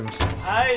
はい。